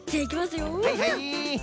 はいはい。